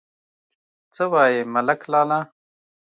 _څه وايې، ملک لالا!